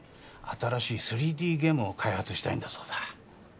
新しい３Ｄゲームを開発したいんだそうだ